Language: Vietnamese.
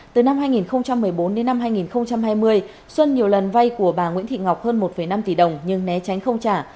từ năm hai nghìn một mươi bốn đến năm hai nghìn hai mươi xuân nhiều lần vay của bà nguyễn thị ngọc hơn một năm tỷ đồng nhưng né tránh không trả